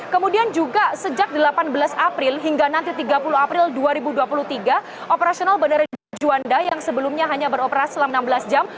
kemudian juga sejak delapan belas april hingga nanti tiga puluh april dua ribu dua puluh tiga operasional bandara juanda yang sebelumnya hanya beroperasi selama enam belas jam